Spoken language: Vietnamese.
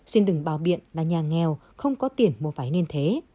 xin đừng bao biện là nhà nghèo không có tiền mua váy nên thế